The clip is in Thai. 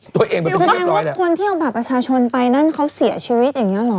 แสดงว่าคนที่เอาบัตรประชาชนไปนั่นเขาเสียชีวิตอย่างนี้เหรอ